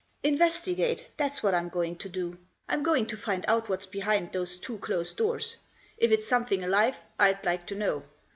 "Investigate, that's what I'm going to do. I'm going to find out what's behind those two closed doors. If it's something alive Fd like to know.